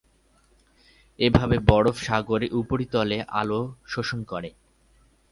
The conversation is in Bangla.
এভাবে বরফ সাগরের উপরিতলে আলো শোষণ করে।